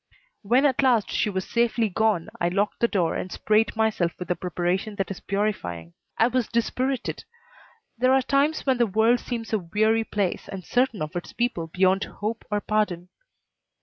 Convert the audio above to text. When at last she was safely gone I locked the door and sprayed myself with a preparation that is purifying. I was dispirited. There are times when the world seems a weary place and certain of its people beyond hope or pardon.